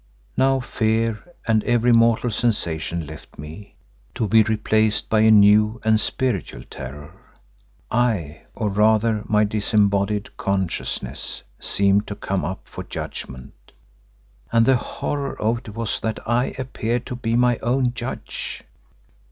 Now fear and every mortal sensation left me, to be replaced by a new and spiritual terror. I, or rather my disembodied consciousness, seemed to come up for judgment, and the horror of it was that I appeared to be my own judge.